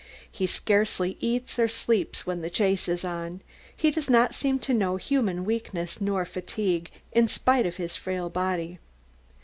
He scarcely eats or sleeps when the chase is on, he does not seem to know human weakness nor fatigue, in spite of his frail body.